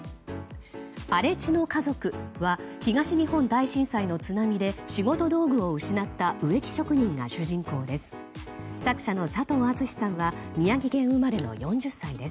「荒地の家族」は東日本大震災の津波で仕事道具を失った植木職人が主人公です。